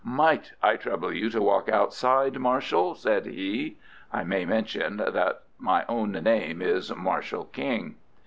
"Might I trouble you to walk outside, Marshall," said he. (I may mention that my own name is Marshall King.)